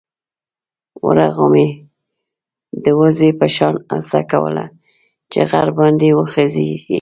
ورغومي د وزې په شان هڅه کوله چې غر باندې وخېژي.